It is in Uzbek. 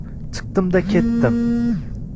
Chikdim-da ketdim